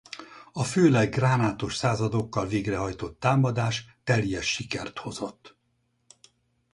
A főleg gránátos századokkal végrehajtott támadás teljes sikert hozott.